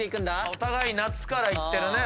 お互い「夏」からいってるね。